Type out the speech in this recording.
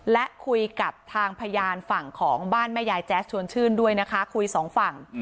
และคุยกับทางพยานฝั่งของบ้านแม่ยายแจ๊สชวนชื่นด้วยนะคะคุยสองฝั่ง